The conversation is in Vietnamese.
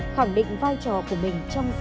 khẳng định vai trò của mình trong gia đình và xã hội